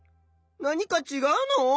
何かちがうの？